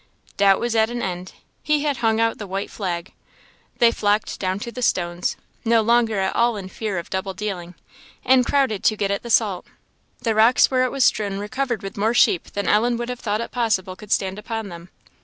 Doubt was at an end; he had hung out the white flag; they flocked down to the stones, no longer at all in fear of double dealing, and crowded to get at the salt; the rocks where it was strewn were covered with more sheep than Ellen would have thought it possible could stand upon them.